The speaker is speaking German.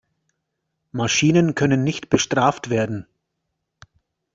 Maschinen können nicht bestraft werden.